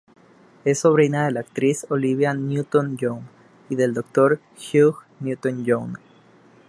Es sobrina de la actriz Olivia Newton-John y del doctor Hugh Newton-John.